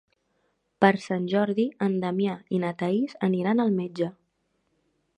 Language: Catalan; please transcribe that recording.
Per Sant Jordi en Damià i na Thaís aniran al metge.